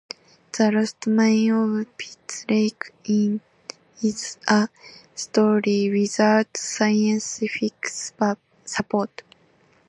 The lost mine of Pitt Lake is a story without scientific support.